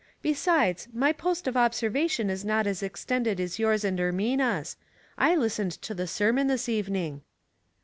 Besides, my post of observation is not as extended as yours and Ermina's. I listened to the sermon this evening."